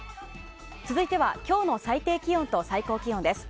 続いては今日の最低気温と最高気温です。